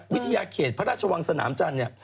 วิทยาเขตพระราชวังสนามจันทร์เนี่ย